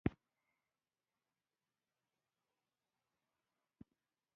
د کندهار اداره د صفویانو او بابریانو تر منځ د اختلاف وه.